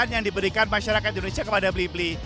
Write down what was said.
kami juga ingin memberikan masyarakat indonesia kepada blibli